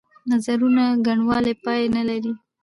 نظرونو ګڼوالی پای نه لري.